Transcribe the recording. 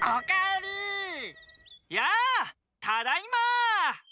やあただいま！